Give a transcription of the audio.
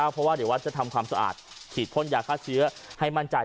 เพราะว่าเดี๋ยววัดจะทำความสะอาดฉีดพ่นยาฆ่าเชื้อให้มั่นใจ